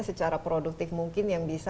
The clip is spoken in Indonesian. secara produktif mungkin yang bisa